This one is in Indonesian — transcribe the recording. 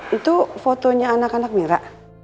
itu fotonya anak anak mira